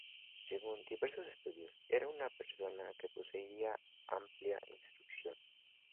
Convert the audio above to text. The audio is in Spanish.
Según diversos estudios, era una persona que poseía amplia instrucción.